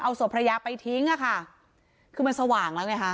ศพภรรยาไปทิ้งอ่ะค่ะคือมันสว่างแล้วไงฮะ